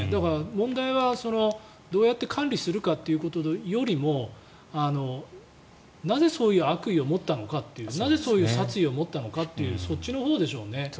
問題はどうやって管理するかということよりもなぜ、そういう悪意を持ったのかというなぜそういう殺意を持ったのかというそっちのほうですよね。